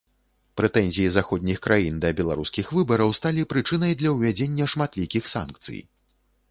Прэтэнзіі заходніх краін да беларускіх выбараў сталі прычынай для ўвядзення шматлікіх санкцый.